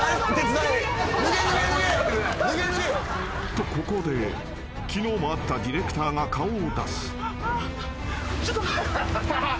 ［とここで昨日も会ったディレクターが顔を出す］